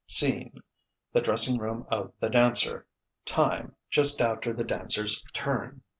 Scene: the dressing room of the dancer. Time: just after the dancer's "turn."